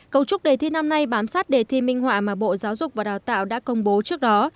cấu trúc đề thi năm nay bám sát đề thi minh họa mà bộ giáo dục và đào tạo đã công bố trước đó